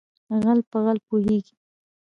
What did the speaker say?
ـ غل په غل پوهېږي.